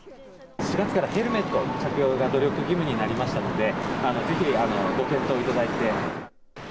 ４月からヘルメット着用が努力義務になりましたのでぜひご検討いただいて。